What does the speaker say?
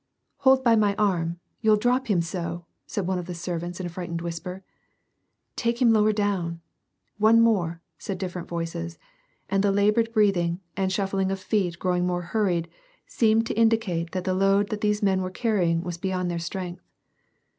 " Hold by my arm ! You'll drop him so," said one of the servants in a frightened whisper. "Take him lower down !"" One more," said different voices, and the labored breathing, and shuffling of feet growing more hurried, seemed to indi cate that the load that the men were carrying was beyond their strength.